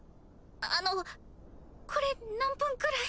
あのこれ何分くらい？